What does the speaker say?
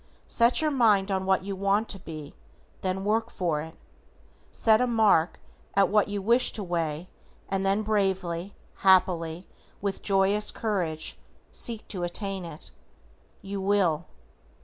SET YOUR MIND ON WHAT YOU WANT TO BE, THEN WORK FOR IT. Set a mark at what you wish to weigh and then bravely, happily, with joyous courage seek to attain it. YOU WILL.